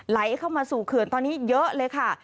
ไหลเข้ามาสู่เขื่อนตอนนี้เยอะเลยค่ะ